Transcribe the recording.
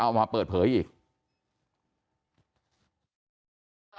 เอามาเปิดเผยอีก